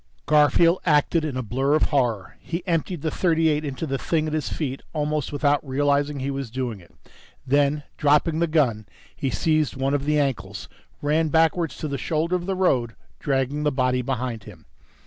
Garfield acted in a blur of horror. He emptied the .38 into the thing at his feet almost without realizing he was doing it. Then, dropping the gun, he seized one of the ankles, ran backwards to the shoulder of the road, dragging the body behind him.